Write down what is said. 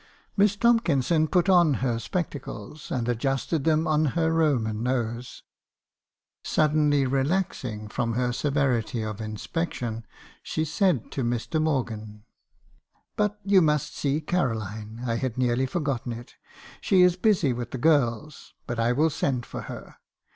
"Miss Tomkinson put on her spectacles , and adjusted them on her Roman nose. Suddenly relaxing from her severity of in spection, she said to Mr. Morgan — 'But you must see Caroline. I had nearly forgotten it; she is busy with the girls , but I will send for her.